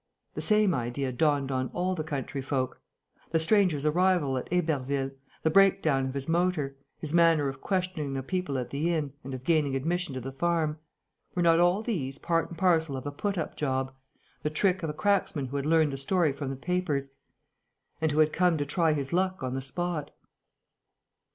The same idea dawned on all the country folk. The stranger's arrival at Héberville, the breakdown of his motor, his manner of questioning the people at the inn and of gaining admission to the farm: were not all these part and parcel of a put up job, the trick of a cracksman who had learnt the story from the papers and who had come to try his luck on the spot?...